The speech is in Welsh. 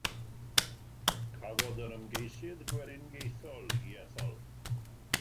Cafodd yr ymgeisydd Gweriniaethol ei ethol.